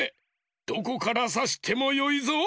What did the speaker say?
どこからさしてもよいぞ。